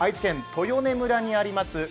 豊根村にあります